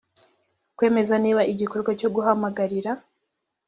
kwemeza niba igikorwa cyo guhamagarira